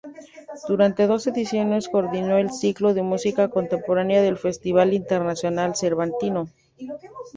Durante dos ediciones coordinó el Ciclo de Música Contemporánea del Festival Internacional Cervantino.